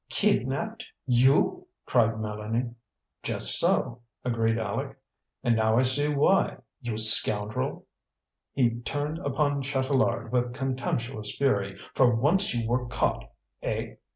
"Kidnapped! You!" cried Mélanie. "Just so," agreed Aleck. "And now I see why you scoundrel!" He turned upon Chatelard with contemptuous fury. "For once you were caught, eh?